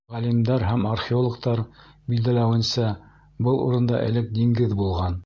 Ғалимдар һәм археологтар билдәләүенсә, был урында элек диңгеҙ булған.